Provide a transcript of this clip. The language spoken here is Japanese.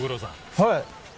はい！